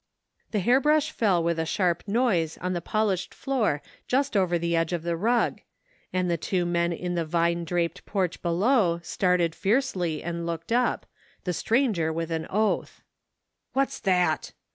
The hairbrush fell with a sharp noise on the polished floor just over the edge of the rug, and the two men in the vine draped porch below started fiercely and looked up, the stranger with an oath. "What's that?"